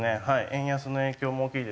円安の影響も大きいですし